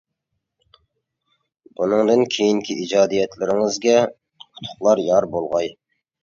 بۇنىڭدىن كېيىنكى ئىجادىيەتلىرىڭىزگە ئۇتۇقلار يار بولغاي!